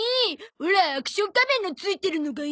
オラアクション仮面のついてるのがいいな。